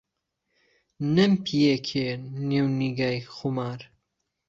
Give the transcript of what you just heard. نهمپیێکێ نیو نیگای خومار